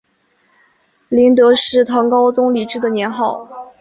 麟德是唐高宗李治的年号。